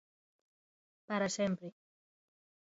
Para sempre.